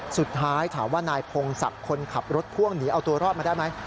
สุดท้ายถามว่านายพงศักดิ์คนขับรถพ่วงหนีเอาตัวรอดมาได้ไหม